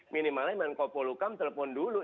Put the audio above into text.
minimalnya sama kepulukan telepon dulu